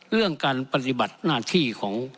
เรื่องอันต่อที่อย่างหน้าที่สอง